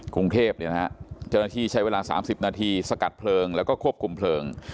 กรุงเทพเจ้าหน้าที่ใช้เวลา๓๐นาทีสกัดเพลิงแล้วก็ควบคุมเพลิง